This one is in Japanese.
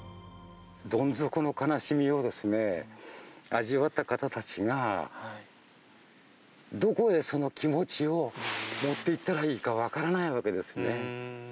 どん底の悲しみをですね、味わった方たちが、どこへ、その気持ちを持っていったらいいか分からないわけですね。